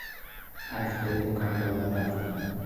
از پلکان بالا رفتن